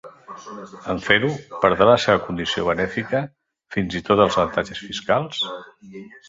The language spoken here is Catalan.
En fer-ho, perdrà la seva condició benèfica, fins i tot els avantatges fiscals.